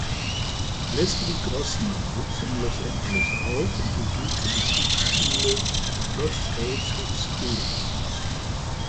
Leslie Grossman wuchs in Los Angeles auf und besuchte die Kunstschule "Crossroads School".